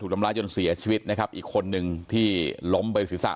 ทำร้ายจนเสียชีวิตนะครับอีกคนนึงที่ล้มไปศีรษะ